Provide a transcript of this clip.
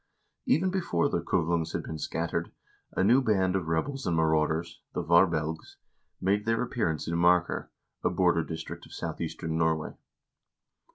Even before the Kuvlungs had been scattered, a new band of rebels and marauders, the "Varbelgs," made their appearance in Marker, a border district of southeastern Norway.